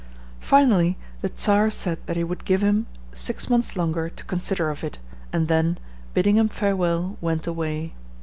Finally, the Czar said that he would give him six months longer to consider of it, and then, bidding him farewell, went away.